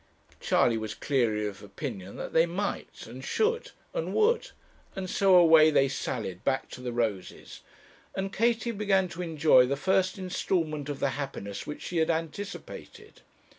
Charley was clearly of opinion that they might, and should, and would; and so away they sallied back to the roses, and Katie began to enjoy the first instalment of the happiness which she had anticipated.